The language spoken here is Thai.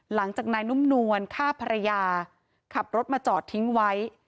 หลังจากนายนุ่มนวลฆ่าภรรยาขับรถมาจอดทิ้งไว้